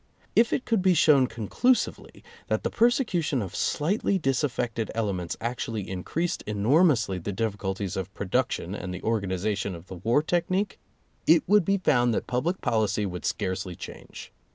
If it could be shown conclusively that the persecution of slightly disaffected ele ments actually increased enormously the difficul ties of production and the organization of the war technique, it would be found that public policy would scarcely change.